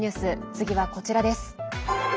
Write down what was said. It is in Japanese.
次はこちらです。